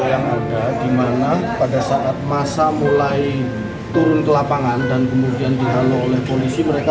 yang ada dimana pada saat masa mulai turun ke lapangan dan kemudian dihalau oleh polisi mereka